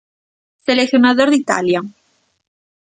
Seleccionador de Italia.